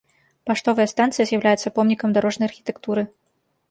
Паштовая станцыя з'яўляецца помнікам дарожнай архітэктуры.